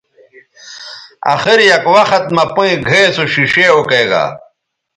اخر یک وخت مہ پئیں گھئے سو ݜیݜے اوکیگا